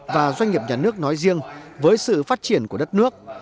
và doanh nghiệp nhà nước nói riêng với sự phát triển của đất nước